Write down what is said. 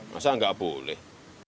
masa enggak boleh